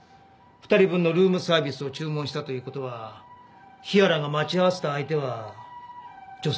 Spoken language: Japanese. ２人分のルームサービスを注文したという事は日原が待ち合わせた相手は女性でしょう。